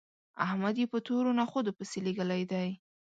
احمد يې په تورو نخودو پسې لېږلی دی